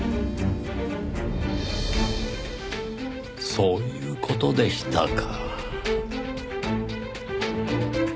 そういう事でしたか。